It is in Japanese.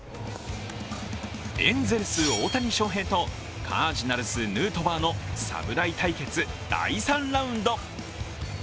エンゼルス・大谷翔平とカージナルス・ヌートバーの侍対決第３ラウンド。